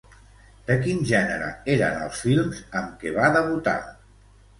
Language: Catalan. De quin gènere eren els films amb què va debutar?